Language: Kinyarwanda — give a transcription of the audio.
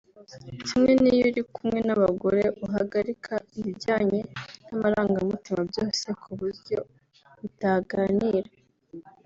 Kimwe n’iyo uri kumwe n’abagore uhagarika ibijyanye n’amarangamutima byose ku buryo utaganira